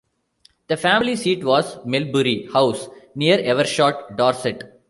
The family seat was Melbury House, near Evershot, Dorset.